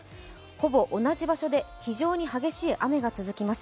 ほぼ同じ場所で非常に激しい雨が続きます。